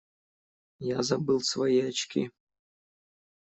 Я забыл свои очки.